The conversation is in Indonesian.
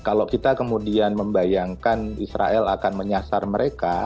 kalau kita kemudian membayangkan israel akan menyasar mereka